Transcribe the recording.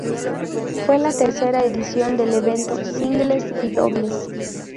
Fue la tercera edición del evento singles y dobles.